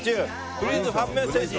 プリーズファンメッセージ！